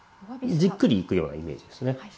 じっくりいくようなイメージですね。